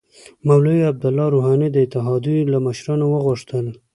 مولوی عبدالله روحاني د اتحادیو له مشرانو وغوښتل